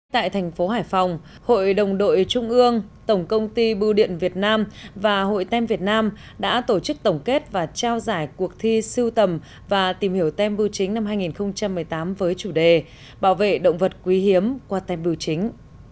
tại thành phố hải phòng hội đồng đội trung ương tổng công ty bưu điện việt nam và hội tem việt nam đã tổ chức tổng kết và trao giải cuộc thi siêu tầm và tìm hiểu tem bưu chính năm hai nghìn một mươi tám với chủ đề bảo vệ động vật quý hiếm qua tem biêu chính